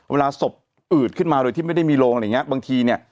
เวลาศพอืดขึ้นมาโดยที่ไม่ได้มีโรงอะไรอย่างเงี้บางทีเนี่ย